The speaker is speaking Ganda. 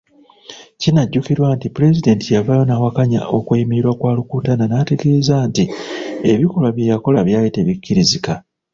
Kinajjukirwa nti, Pulezidenti yavaayo n'awakkanya okweyimirirwa kwa Rukutana n'ategeeza nti, ebikolwa bye yakola byali tebikkirizika.